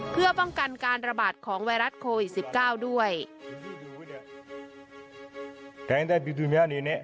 เพื่อป้องกันการระบาดของไวรัสโควิด๑๙ด้วย